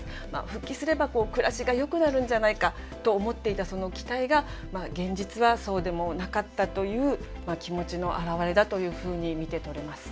復帰すれば暮らしがよくなるんじゃないかと思っていたその期待が現実はそうでもなかったという気持ちの表れだというふうに見て取れます。